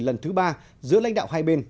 lần thứ ba giữa lãnh đạo hai bên